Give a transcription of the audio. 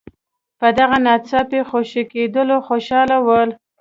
په دغه ناڅاپي خوشي کېدلو خوشاله ول.